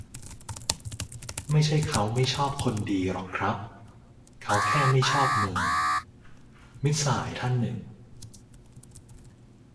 "ไม่ใช่เค้าไม่ชอบคนดีหรอกครับ เค้าแค่ไม่ชอบมึง" - มิตรสหายท่านหนึ่ง"